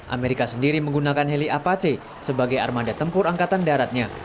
amerika sendiri menggunakan heli apache sebagai armada tempur angkatan daratnya